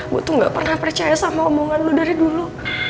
gue tuh gak pernah percaya sama omongan lo dari dulu